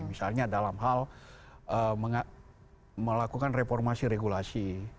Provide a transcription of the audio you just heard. misalnya dalam hal melakukan reformasi regulasi